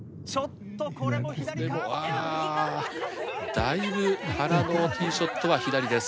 だいぶ原のＴｅｅショットは左です。